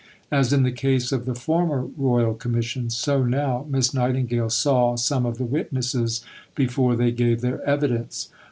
As in the case of the former Royal Commission, so now Miss Nightingale saw some of the witnesses before they gave their evidence.